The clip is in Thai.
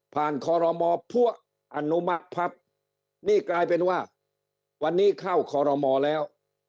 คอรมอพัวอนุมภับนี่กลายเป็นว่าวันนี้เข้าคอรมอแล้ว